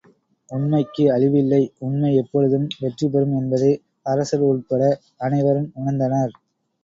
உண்மைக்கு அழிவில்லை உண்மை எப்பொழுதும் வெற்றி பெறும் என்பதை அரசர் உள்பட அனைவரும் உணர்ந்தனர்.